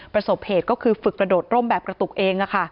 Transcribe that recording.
ประสบเหตุก็คือฝึกกระโดดร่มแบบกระตุกเอง